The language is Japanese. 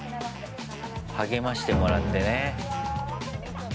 励ましてもらってね。